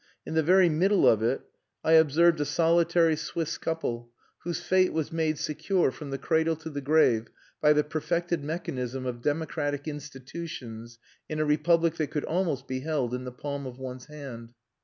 In the very middle of it I observed a solitary Swiss couple, whose fate was made secure from the cradle to the grave by the perfected mechanism of democratic institutions in a republic that could almost be held in the palm of ones hand.